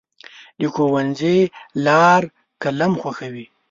د ښوونځي لار قلم ښووي.